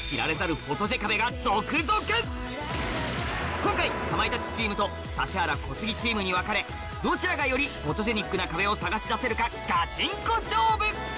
今回かまいたちチームと指原＆小杉チームに分かれどちらがよりフォトジェニックな壁を探し出せるかガチンコ勝負！